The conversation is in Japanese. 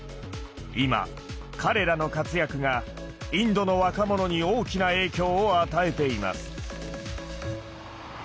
今彼らの活躍がインドの若者に大きな影響を与えています。